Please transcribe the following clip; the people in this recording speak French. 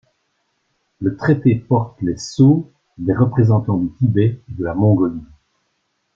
Le traité porte les sceaux des représentants du Tibet et de la Mongolie.